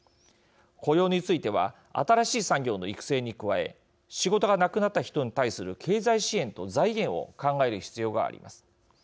雇用については新しい産業の育成に加え仕事がなくなった人に対する経済支援と財源を考える必要があります。